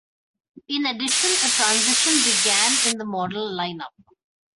In addition, a transition began in the model lineup.